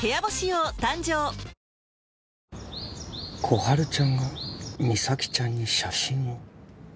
心春ちゃんが実咲ちゃんに写真を？